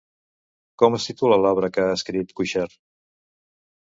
Com es titula l'obra que ha escrit Cuixart?